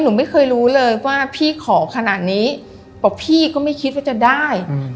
หนูไม่เคยรู้เลยว่าพี่ขอขนาดนี้บอกพี่ก็ไม่คิดว่าจะได้